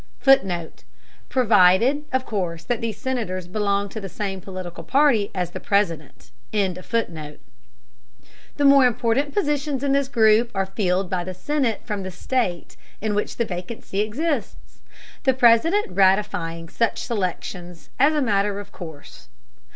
[Footnote: Provided, of course, that these Senators belong to the same political party as the President. ] The more important positions in this group are filled by the Senators from the state in which the vacancy exists, the President ratifying such selections as a matter of course.